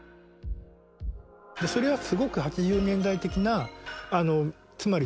それはすごく８０年代的なつまり何て言うのかな。